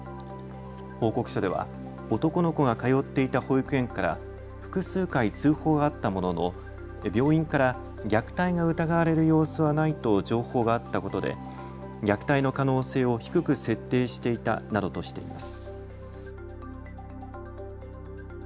報告書では男の子が通っていた保育園から複数回、通報があったものの病院から虐待が疑われる様子はないと情報があったことで虐待の可能性を低く設定していたなどとしています。